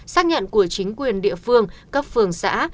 xác nhận của chính quyền địa phương cấp phường xã